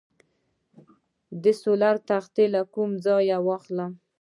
د سولر تختې له کوم ځای واخلم؟